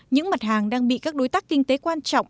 những mặt hàng đang bị các đối tác kinh tế quan trọng